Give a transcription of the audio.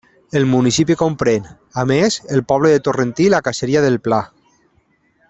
El municipi comprèn, a més, el poble de Torrentí i la caseria del Pla.